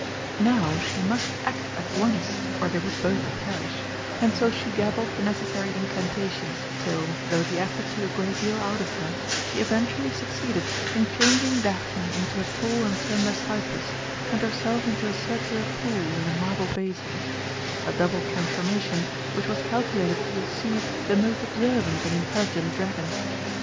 Now she must act at once or they would both perish, and so she gabbled the necessary incantations, till, though the effort took a great deal out of her, she eventually succeeded in changing Daphne into a tall and slender cypress, and herself into a circular pool in a marble basin a double transformation which was calculated to deceive the most observant and intelligent dragon.